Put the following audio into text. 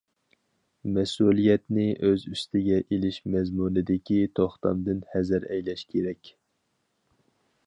مەسئۇلىيەتنى ئۆزى ئۈستىگە ئېلىش مەزمۇنىدىكى توختامدىن ھەزەر ئەيلەش كېرەك.